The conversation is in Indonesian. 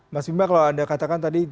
mas bima kalau anda katakan tadi